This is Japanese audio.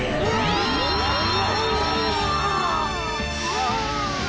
ああ。